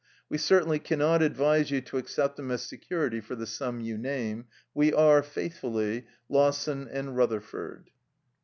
We certainly cannot advise you to accept them as security for the sum you name. We are, faithfully, "Lawson & Rutherford."